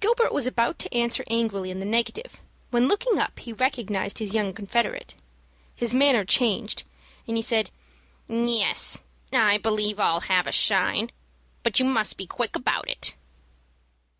Gilbert was about to answer angrily in the negative, when looking up he recognized his young confederate. His manner changed, and he said, "Yes, I believe I'll have a shine; but you must be quick about it."